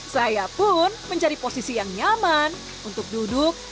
saya pun mencari posisi yang nyaman untuk duduk